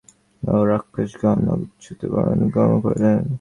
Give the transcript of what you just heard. রাম, লক্ষ্মণ ও সীতা এইরূপে বানর ও রাক্ষসগণ-অধ্যুষিত অরণ্যে গমন করিলেন।